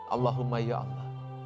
allahumma ya allah